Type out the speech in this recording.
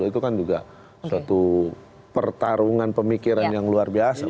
itu kan juga suatu pertarungan pemikiran yang luar biasa